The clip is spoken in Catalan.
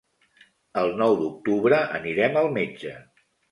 El nou d'octubre anirem al metge.